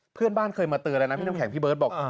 เพื่อนบ้านเคยมาเตือนแล้วนะพี่น้ำแข็งพี่เบิร์ตบอก